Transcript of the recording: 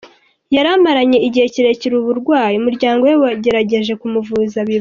yari amaranye igihe kirekire ubu burwayi, umuryango we wagerageje kumuvuza biba.